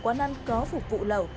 quán ăn có phục vụ lẩu